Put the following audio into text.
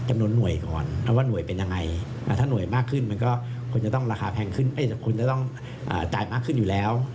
มันก็คุณจะต้องราคาแพงขึ้นคุณจะต้องจ่ายมากขึ้นอยู่แล้ว